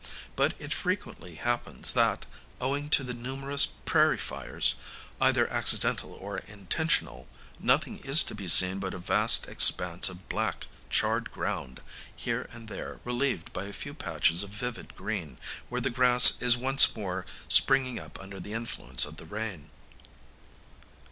But it frequently happens that, owing to the numerous prairie fires, either accidental or intentional, nothing is to be seen but a vast expanse of black charred ground, here and there relieved by a few patches of vivid green, where the grass is once more springing up under the influence of the rain.